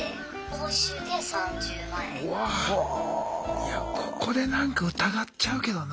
いやここでなんか疑っちゃうけどな。